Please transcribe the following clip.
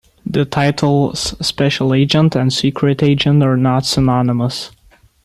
The titles special agent and secret agent are not synonymous.